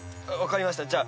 分かりました。